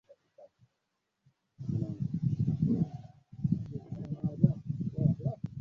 kila nchi ita itapunguza joto joto hizo kwa ki kwa kiwango gani